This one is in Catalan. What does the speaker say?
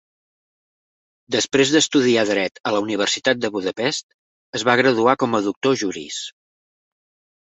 Després d'estudiar dret a la Universitat de Budapest, es va graduar com a "doctor juris".